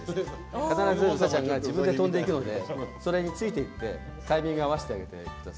必ずうさちゃんが自分で跳んでいくのでそれについていってタイミング合わせていってください。